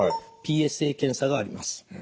ＰＳＡ検査があります。